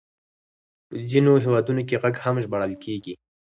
په ځينو هېوادونو کې غږ هم ژباړل کېږي.